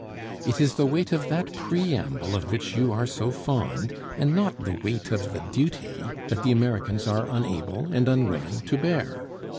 It is the weight of that preamble of which you are so fond, and not the weight of the duty, that the Americans are unable and unwilling to bear.